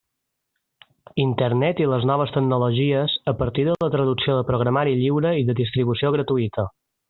Internet i les noves tecnologies, a partir de la traducció de programari lliure i de distribució gratuïta.